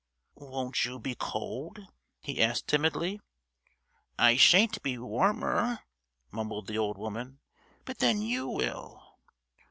"Won't you be cold?" he asked timidly. "I shan't be warmer," mumbled the old woman. "But then you will."